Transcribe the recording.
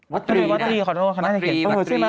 วัตรี